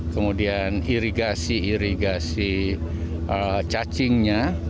kemudian irigasi irigasi cacingnya